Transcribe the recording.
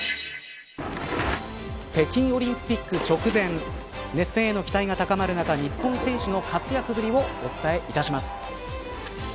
北京オリンピック直前熱戦への期待が高まる中日本選手の活躍ぶりをお伝えいたします。